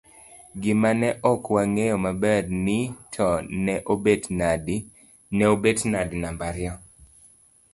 gimane ok wang'eyo maber ni to ne obet nadi namba ariyo